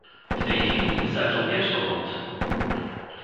W tej chwili zaczął piać kogut.